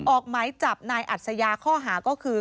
ออกหมายจับนายอัศยาข้อหาก็คือ